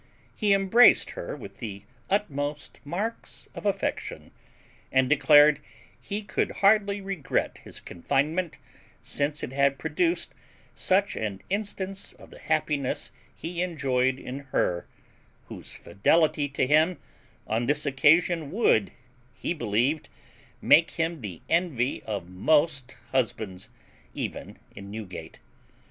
He embraced her with the utmost marks of affection, and declared he could hardly regret his confinement, since it had produced such an instance of the happiness he enjoyed in her, whose fidelity to him on this occasion would, be believed, make him the envy of most husbands, even in Newgate.